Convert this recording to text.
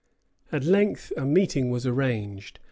At length a meeting was arranged.